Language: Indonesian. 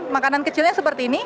makanan kecilnya seperti ini